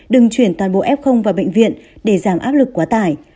đừng chuyển toàn bộ f vào bệnh viện để giảm áp lực quá tải